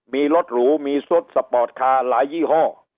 มีรถหรูมีซุดสปอร์ตคาร์หลายยี่ห้อ